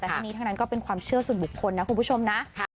แต่ทั้งนี้ทั้งนั้นก็เป็นความเชื่อส่วนบุคคลนะคุณผู้ชมนะ